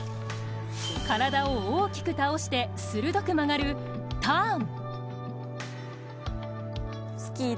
体を大きく倒して鋭く曲がるターン。